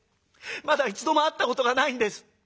まだ一度も会ったことがないんです」。